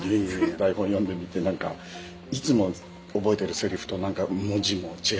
台本読んでみて何かいつも覚えてるセリフと何か文字も違うでしょ？